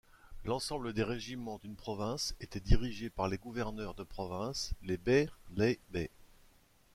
L’ensemble des régiments d’une province étaient dirigés par les gouverneurs de provinces, les beylerbeys.